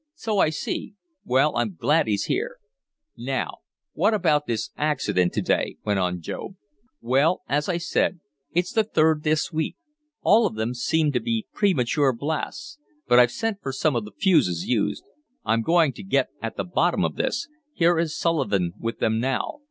"So I see. Well, I'm glad he's here." "Now what about this accident to day?" went on Job. "Well, as I said, it's the third this week. All of them seemed to be premature blasts. But I've sent for some of the fuses used. I'm going to get at the bottom of this. Here is Sullivan with them now.